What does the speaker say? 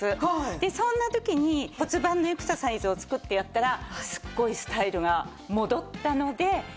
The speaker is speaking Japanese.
でそんな時に骨盤のエクササイズを作ってやったらすごいスタイルが戻ったので。